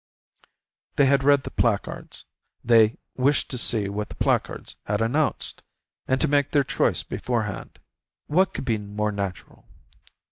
They had read the placards, they wished to see what the placards had announced, and to make their choice beforehand. What could be more natural?